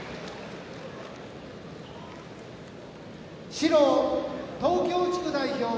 白、東京地区代表